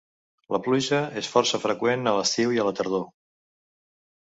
La pluja és força freqüent a l'estiu i la tardor.